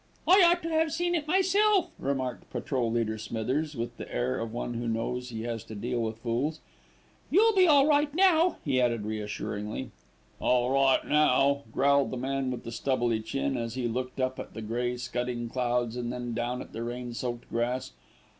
"I ought to have seen to it myself," remarked Patrol leader Smithers with the air of one who knows he has to deal with fools. "You'll be all right now," he added reassuringly. "All right now," growled the man with the stubbly chin as he looked up at the grey scudding clouds and then down at the rain soaked grass.